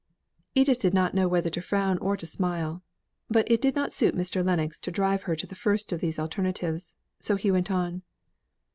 Edith did not know whether to frown or to smile, but it did not suit Mr. Lennox to drive her to the first of these alternatives; so he went on.